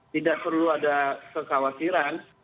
tidak perlu ada kesawasiran